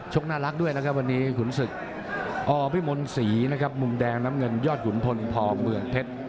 น่ารักด้วยนะครับวันนี้ขุนศึกอพิมลศรีนะครับมุมแดงน้ำเงินยอดขุนพลพอเมืองเพชร